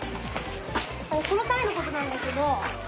このタネのことなんだけど。